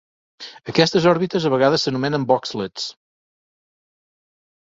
Aquestes òrbites a vegades s'anomenen "boxlets".